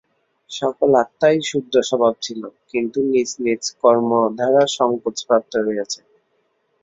সকল আত্মাই শুদ্ধস্বভাব ছিল, কিন্তু নিজ নিজ কর্মদ্বারা সঙ্কোচ-প্রাপ্ত হইয়াছে।